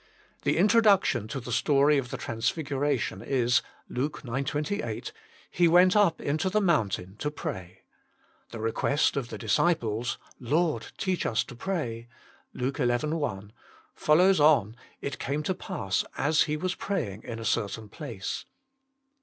The introduction to the story of the Transfiguration is (Luke ix. 28), "He went up into the mountain to pray" The request of the disciples, " Lord, teach us to pray" (Luke xi. 1), follows on, " It came to pass as He was praying in a certain place."